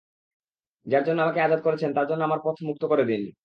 যার জন্য আমাকে আযাদ করেছেন তাঁর জন্য আমার পথ মুক্ত করে দিন।